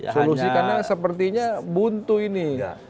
solusikannya sepertinya buntu ini